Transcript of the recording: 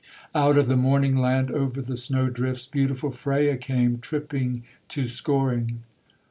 Out of the morning land, Over the snow drifts, Beautiful Freya came, Tripping to Scoring.